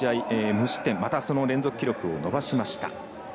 無失点また連続記録を伸ばしました。